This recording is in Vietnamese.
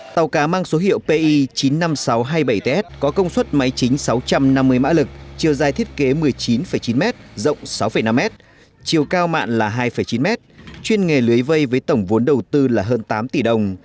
tàu cá mang số hiệu pi chín mươi năm nghìn sáu trăm hai mươi bảy ts có công suất máy chính sáu trăm năm mươi mã lực chiều dài thiết kế một mươi chín chín m rộng sáu năm m chiều cao mặn là hai chín m chuyên nghề lưới vây với tổng vốn đầu tư là hơn tám tỷ đồng